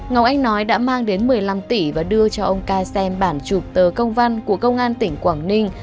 ngọc anh nói đã mang đến một mươi năm tỷ và đưa cho ông ca xem bản chụp tờ công văn của công an tỉnh quảng ninh